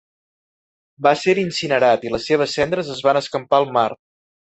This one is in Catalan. Va ser incinerat, i les seves cendres es van escampar al mar.